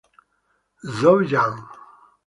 Zhou Yang